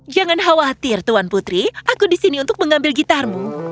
jangan khawatir tuan putri aku disini untuk mengambil gitarmu